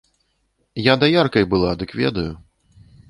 Я даяркай была, дык ведаю.